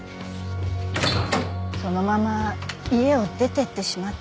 そのまま家を出てってしまって。